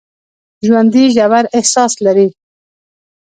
ژوندي ژور احساس لري